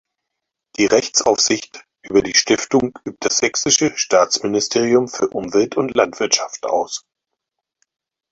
Die Rechtsaufsicht über die Stiftung übt das Sächsische Staatsministerium für Umwelt und Landwirtschaft aus.